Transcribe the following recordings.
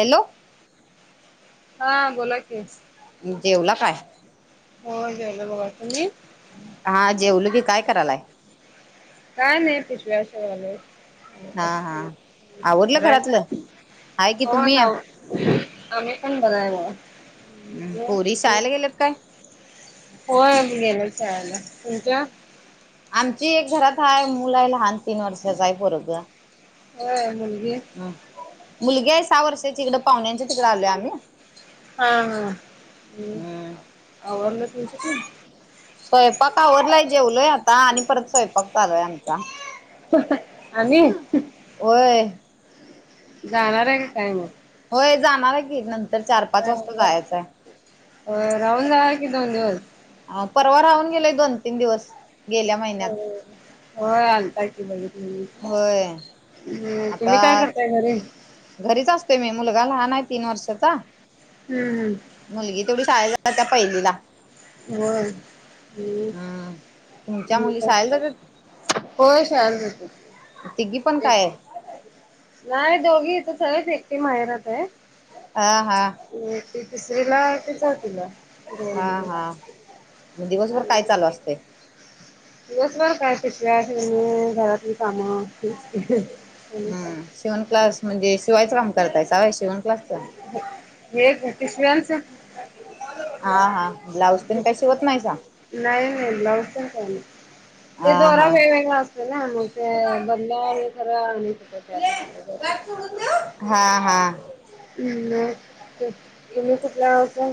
Hello. हा बोला कि. जेवला काय. हो जेवले बघा तुम्ही. हा जेवल की काय करायलाय. काय नाही पिशव्या शिवायले. हा हा आवरलं बरंय काय घरातलं हाय की हो तुम्ही ना ओ. आम्ही पण बरंय बघा. हम् पोरी शाळेला गेलेत काय. होय गेल्यात शाळेला तुमचं. आमची एक घरात आहे मुलं आहे लहान तीन वर्षाचा आहे बरोग. होय मुलगी. ह मुलगी आहे सहा वर्षाची तिकड पाहुण्यांच्या तिकडें आलो आम्ही. हा हा हम्म ह् आला तुमच. स्वयंपाक आवरलाय जेवलोय आता आणि परत स्वयंपाक चालूय आमचा. आणि. होय. जाणार आहे काय मग, होय जाणार आहे की नंतर चार पाच होय वाजता जायचंय. होय राहून जावा की दोन दिवस. ह परवा राहून गेलेय दोन तीन दिवस. गेल्या हो महिन्यात हो आलता की बघितलं. होय हम् तुम्ही काय आता करताय घरी. घरीच असते मी मुलगा लहान आहे तीन वर्षाचा. हम्म. मुलगी तेवढी शाळेला जातेय पहिलीला. होय हम्म. हम् तुमच्या मुली शाळेला जातेत. होय शाळेला जातेत. तिघी पण काय? नाय दोघी इथंच हायत एकटी माहेराते. हा हा. [unintelligible] तिसरीलाय का चौथीलाय. हा हा मग दिवसभर काय चालू असते? दिवसभर काय पिशव्या घरातली कामं आणि काय. हम्म शिवण क्लास म्हणजे शिवायचं काम करताय वय शिवण क्लासच. [unintelligible] पिशव्या चं. हा हा ब्लाऊज तेन काशीवत नाहीसा. नाही नाही ब्लाउज तेन काय नाही. ते हा दोरा हा वेगवेगळा असतो ना मग ते बंद आणि खर आण हो त्यात. म [inaudible] हा. हा हा. हम् तुम्ही कुठला आहता.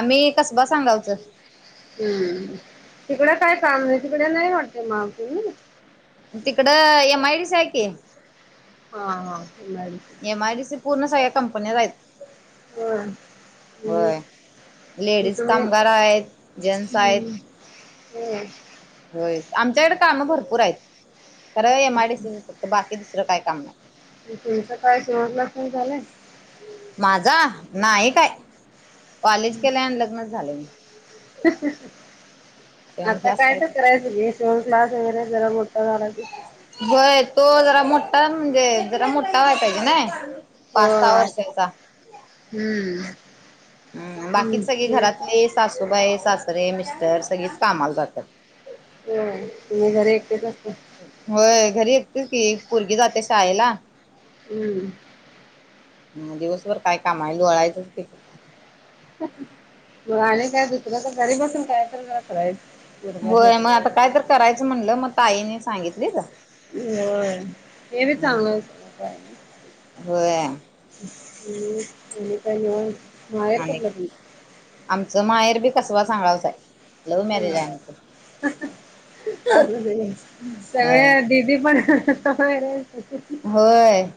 आम्ही कसबा सांगावचं. हम्म तिकडं काय काम नाही तिकडे नाही वाटते माव तुम्ही. तिकड एम आय डी सा आहे की. हा हा एम आय डी सा. एम आयडी सी पूर्ण सगळ्या कंपन्या आहेत. होय तुम्ही वय लेडीज कामगार आहेत जेंट्स आहेत. हम्म. होय आमच्याकडे कामं भरपूर आहेत खर एम आरडीसीच फक्त बाकी दुसरं काय काम नाही. तुमचं काय शहरला फू झालंय. [inaudible] माझा नाही काय कॉलेज केलं आणि लग्नच झाले. सेव्हन आता क्लास काय तर करायच. [unintelligible] क्लास वगैरे जरा मोठा झाला की. होय तो जरा मोठा म्हणजे जरा मोठा व्हाय पाहिजे ना. पाच सहा होय वर्षांचा हम्म. हम बाकीच सगळे होय घरातले सासूबाई सासरे मिस्टर सगळीच कामाला जातात. ह तुम्ही घर एकटेच असता. होय घरी एकतीच की एक पोरगी जाते शाळेला हम्म. ह दिवसभर काय काम आहे लोळायचंच की. मग आणि काय दुसर तर घरी बसून काय तर करायच. होय मग आता काय तर करायचं म्हणलं मग ताईने सांगितली. हो हे बी चांगलं. हम् होय आणि का येऊन माहेर आणि [unintelligible] [inaudible] आमचं माहेर बी कसवा सांगावच आहे. लव्ह मॅरेज आहे आमचं हम. होय सगळ्या दीदी पण- होय.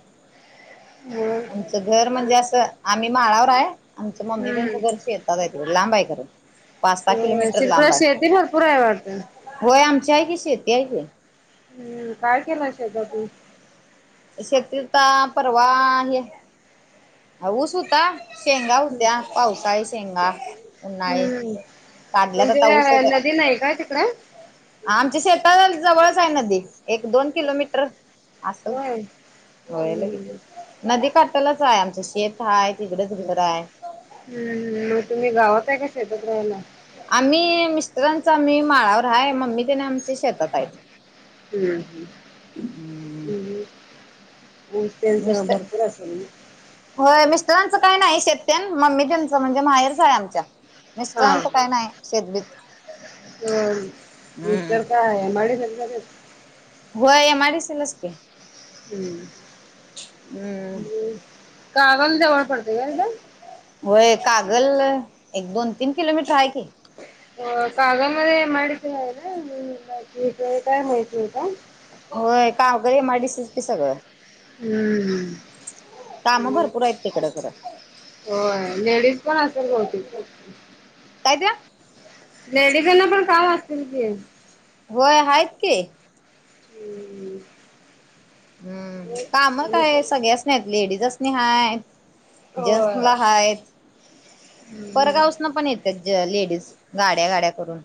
हम्. आमचं घर म्हणजे असं आम्ही माळावर आहे आमच मम्मी हम्म. त्यांचं घर शेतात आहे ते लांब आहे खर. शिरकुळा शेती भरपूर आहे वाटत. होय आमच्या आहे की शेती आहे की. हम्म काय केला शेता तुम्ही. शेतीत परवा हे ऊस, होता. शेंगा होत्या. पावसाळी शेंगा उन्हाळी हम्म, काढल्यात म्हणजे आता ऊसच आहे नदी नाही का तिकडं? आमच्या शेता जवळच आहे नदी. एक दोन किलोमीटर असल. होय. होय हम्म लगेच नदी काटलाच आहे. आमचं शेत आहे. तिकडेच घर आहे. हम् मग तुम्ही गावात आहे का शेतात राहायला? आम्ही मिस्टरांचा आम्ही माळावर आहे. मम्मी तेन आमची शेतात आहेत. हम् हम् हम्म हम होलसेल जरा मिस्टर भरपूर असेल ना. होय. मिस्टरांचं काही नाही शेत तेन मम्मी त्यांच म्हणजे माहेरच आहे आमच्या मिस्टरांच काय नाही शेतबीत. होय. हम्म मिस्टर काय एम आई डी सी मध्ये जात्यात. व्हय. एम आई डी सी लाच की. हम्म. हम्म कागल जवळ पडते काय तिथ? व्हय. कागल एक दोन तीन किलोमीटर आहे की कागल मध्ये एम आई डी सी आहे ना. बा काय माहिती आहे का? होय. Kagal M I D C च की सगळं. हम्म. काम भरपूर आहेत तिकडं खर. होय. लेडीज पण असेल बहुतेक तिथं. काय ते. लेडीजांना पण काम असलं की. होय आहेत की. हम्म. हम्म. काम काय सगळ्यासनी आहेत लेडीजासनी हाय. होय. जेंट्सला हाय. हम्म परगावसन पण येत्यात लेडीज गाड्या गाड्या करून.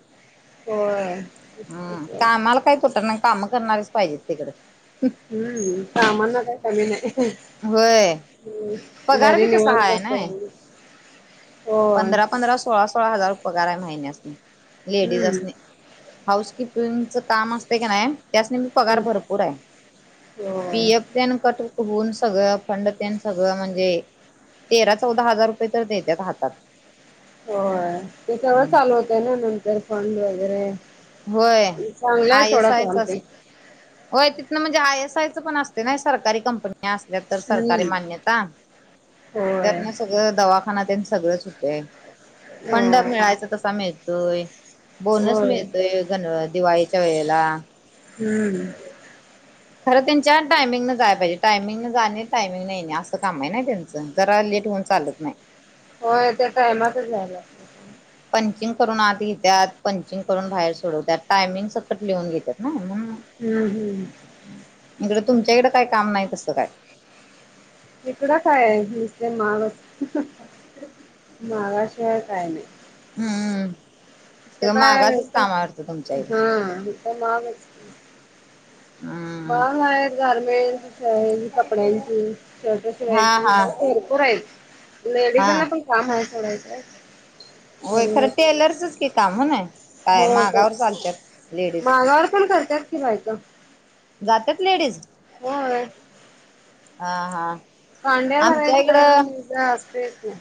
होय. हम्म, तेच तर. कामाला काही तुटत नाही काम करणारीच पाहिजेत तिकडं. हम्म, कामांना काय कमी नाही. व्हय. हम्म, घरी निवांत असताय की. पंधरा पंधरा सोळा सोळा हजार पगार आहे. महिन्यासनी लेडीजासनी. हम्म. हाऊस किपिंगच काम असते की नाही त्यासनी पण पगार भरपूर आहे होय. पी एफ तेन कट होऊन सगळं फंड तेन सगळं म्हणजे तेरा चौदा हजार रुपये तर देत्यात. हातात होय. ते सर्व चालू होतंय ना. नंतर फंड वगैरे होय. चांगलं आहे आय सोडा एस आय च काम अस ते. होय तिथनं म्हणजे आय एस आयचं पण असते नाही सरकारी कंपनी असल्या तर सरकारी हम्म मान्यता होय त्यातन सगळं दवा ह्यांना ते सगळंच होतय. हो फंड मिळायच तसा मिळतोय. बोनस होय मिळतोय. गन दिवाळीच्या वेळेला. हम्म. खरं त्यांच्या टायमिंग न जाय पाहिजे. टायमिंग न जाणे. टायमिंग न येणे. असं काम आहे ना त्यांच. जरा लेट होऊन चालत नाही. होय. त्या टायमातच जायला. पंचिंग करून आत घेत्यात. पंचिंग करून बाहेर सोडवतात. टायमिंग सकट लिहून घेतात ना. हम्म हम्म. इकडं तुमच्या इकडं काय काम नाही तसं काय. इकडं काय आहे. नुसते माग मागाशिवाय काय नाही. हम्म. ते सगळं काय मागाचच काम आहे वाटतं तुमच्या इकडं. हो मांगच. हम्म बाग आहेत गारमेंट आहे कपड्यांची. शर्ट हा शिवायची हा भरपूर हायत हा लेडीजांना पण कामहाय सोडा इथं. होय खरं टेलर्सच की काम हो नाय. काय हो तेच. मागावर चालत्यात लेडीज. मागावर पण करतात की बायका. जात्यात लेडीज? होय हा हा! कांड्या आमच्या भरायच इकडं ये ज असतयचं न्हाय.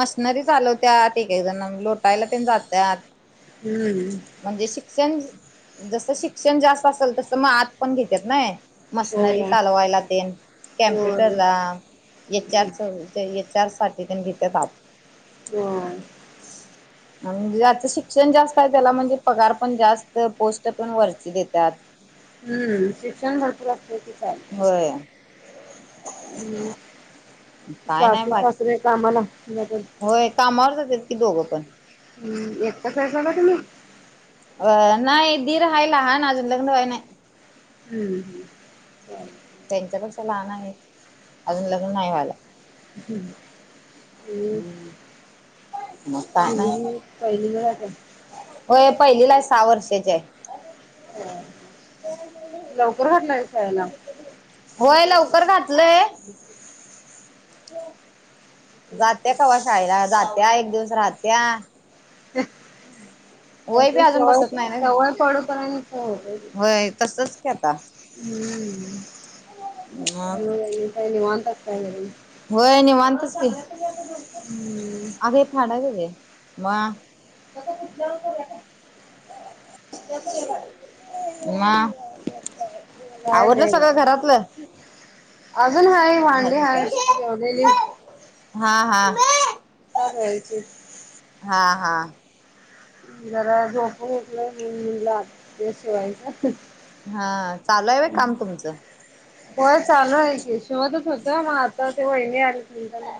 मशनरी चालवत्यात एक-एक जण लोटायला तेन जात्यात. हम्म! म्हणजे शिक्षण जसं शिक्षण जास्त असेल तस आत पण घेत्यात न्हाय. मशनरी होय चालवायला तेन कॅम्प्युटर होय ला एच आरच ते एच आर साठी तेन घेत्यात आत. हो! आणि ज्याच शिक्षण जास्त हाय त्याला म्हणजे पगार पण जास्त पोष्ट पण वरची देत्यात. हम्म शिक्षण भरपूर असलं की चालतय. होय काय नाही सासू बाकी सासरे कामाला लगन. होय कामावर जातात की दोघं पण हम्म एकटाच हायस का तुम्ही? अ नाही दीर हाय लहान अजून लग्न व्हायला नाही. हम्म बर! त्यांच्या पेक्षा लहान आहे. अजून लग्न नाही व्हायला. मग [unintelligible] पहिली ला जाताय व्हय पाहिलीला हाय सहा वर्षाची हाय. ह लवकर घातलाय शाळेला. व्हय य लवकर घातलंय. जात्या कवा शाळेला जात्या एक दिवस राहत्या. [unintelligible] वय बी त्यास्नी अजून वय बसत नाही ना सवय पडूस पर्यंत होते. होय तसच की आता हम्म मग तुम्ही काय निवांत असता घरी. व्हय निवांतच की हम्म अग हे फाडाय पायजे. मगं [unintelligible] [unintelligible] मग काय आवरलं नाही बघ सगळं घरातलं अजून हाय. वांडी हाय जेवलेली आता हा हा! का जायाचे. हा हा! जरा झोपून उठलो मग मी म्हटलं आता ड्रेस शिवायचं. हा! चालू आहे व्हय काम तुमचं व्हय चालू हाय की. जेवतच होत मग आता ते वहिनी आलती तर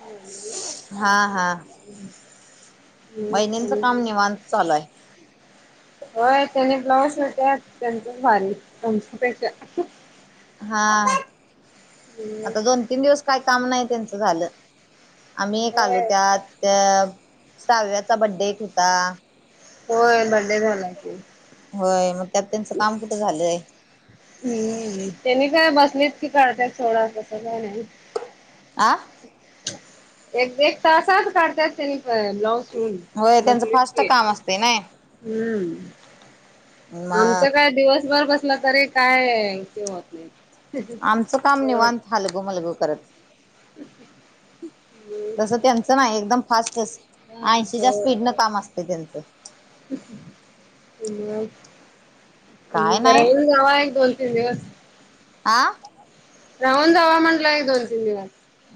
हा हा हम्म [unintelligible] अन चालू हाय. होय तिन्ही ब्लाऊज शिवत्यात त्यंचच भारी आमचं काय. हा! आता दोन तीन दिवस काय काम नाही त्यंच झालं आम्ही एक आलो होय त्यात. त्या साव्याचा बड्डे एक होता. होय बर्थडे झाला की. व्हय मग त्यात त्यांचं काम कुठं झालंय. हम्म त्यांनी काय बसलेत की काढत सोडा तसं काय नाही आ एक एक तासात कडत्यात त्यांनी ब्लाऊज शिऊन होय मग त्यांचं लित फास्ट की काम असते ना हम्म. मग आमचं काय दिवसभर बसलं तरी काय ते होत नाही. आमचं काम होय. निवांत हलगु मलगु करत. तस त्यांच नाही एकदम फास्ट ऐंशीच्या होय स्पीड न काम असतय त्यांचं मग काय तुम्ही नाही कराय. रवा एक दोन तीन दिवस आं राऊन जावा मणडला एक दोन तिन दिवस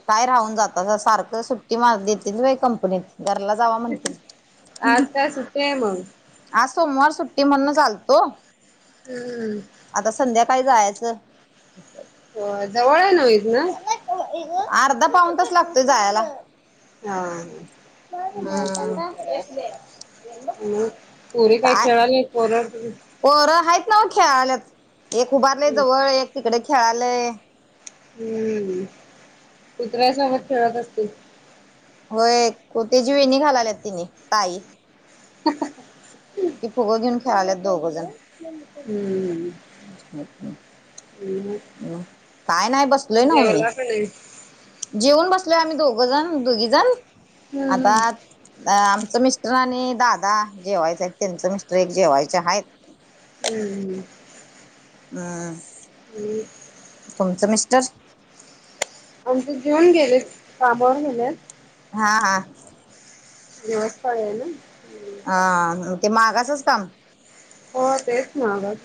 काय राहून जातासा सारखं सुट्टी मा देतील होय कंपनीत घरला जावा. म्हणतील आज काय सुट्टी हाय मग आज सोमवार सुट्टी म्हणूनच आलतो. हम्म आता संध्याकाळी जायचं. होय जवळ हाय नव इथन अर्धा पाऊन तास लागतोय जायला. हा ह् खर हम्म हाय. मग पोरी काय खेळाली त पोर पोर हायत नव खेळाल्यात एक उभारलय जवळ एक तिकड खेळालय. हम्म कुत्र्यासोबत खेळत असतील. होय कोत्याची वेणी घालाल्यात तेणी ताई ह ती फुग घेऊन खेळाल्यात दोघं जण हम् म् काय नाही बसलोय नव मी का नाही? जेऊन बसलोय आम्ही दोघं जण दोघी जण हम्म आता हम्म. आमचं मिस्टर आणि दादा जेवायचे आहेत त्यांचं मिस्टर एक जेवायचे आहेत. हम्म हम ह तुमचं मिस्टर आमच ते जेऊन गेलेत कामावर गेलेत. हा हा दिवसपाळी हाय न हा ते मागासच काम हो तेच सगळंच.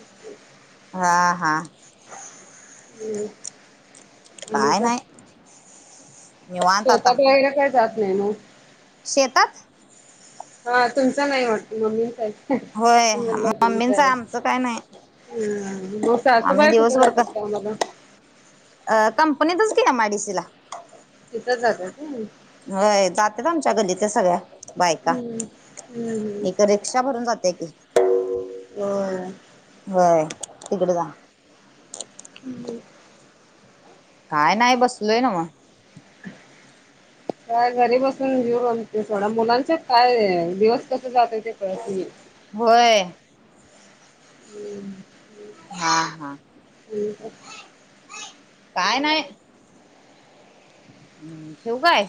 हा हा. हम्. आणि काय निवांत आता शेतात वगैरे काय जात नाही नव शेतात हा तुमच नाही वाटत मम्मींचा हाय. होय मम्मींच आमचं काय नाही. ह मग सासू आम्ही बाय कुठं जात्यात कामाला अह कंपनीतच की एमआयडीसीला. तिथंच जात्यात. हय जात्यात आमच्या गल्लीतल्या सगळ्या बायका हम्म. हम्म हम्म. इकरेक रिक्षा भरून जात्या की. होय. होय. तिकड जा. हम. काय नाय, बसलोय नवं. [inaudible] काय घरी बसून [unintelligible] ते सोडा. मुलांच्या काय? दिवस कसा जातोय ते कळत नाही. होय. [unintelligible] हा, हा. काय नाही. हम्म, ठेऊ काय?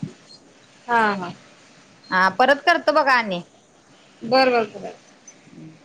हा हा हा परत करतो बघा, आणि. बर, बर. करा. हम्.